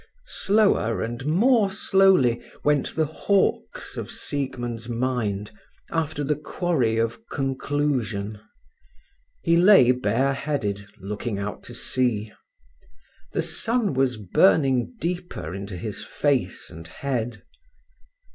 Slower and more slowly went the hawks of Siegmund's mind, after the quarry of conclusion. He lay bare headed, looking out to sea. The sun was burning deeper into his face and head.